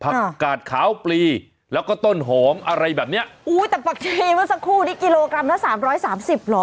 กาดขาวปลีแล้วก็ต้นหอมอะไรแบบเนี้ยอุ้ยแต่ผักชีเมื่อสักครู่นี้กิโลกรัมละสามร้อยสามสิบเหรอ